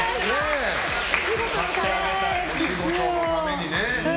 お仕事のためにね。